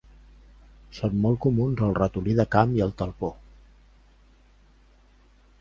Són molt comuns el ratolí de camp i el talpó.